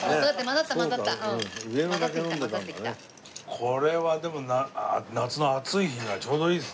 これはでも夏の暑い日にはちょうどいいですね。